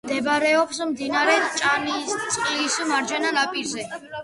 მდებარეობს მდინარე ჭანისწყლის მარჯვენა ნაპირზე.